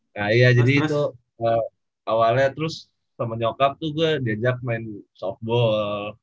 nah iya jadi itu awalnya terus temennya cup tuh gue diajak main softball